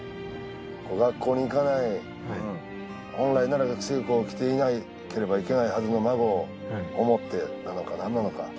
学校に行かない本来なら学生服を着ていなければいけないはずの孫を思ってなのか何なのか。